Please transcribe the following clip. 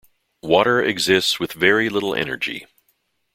Water exits with very little energy.